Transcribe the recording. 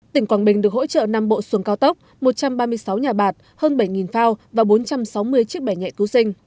tỉnh quảng bình được hỗ trợ năm bộ xuồng cao tốc một trăm ba mươi sáu nhà bạc hơn bảy phao và bốn trăm sáu mươi chiếc bẻ nhẹ cứu sinh